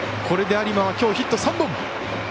これで有馬はきょうヒット３本。